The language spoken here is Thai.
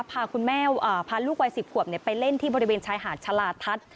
พาคุณแม่พาลูกวัย๑๐ขวบไปเล่นที่บริเวณชายหาดชาลาทัศน์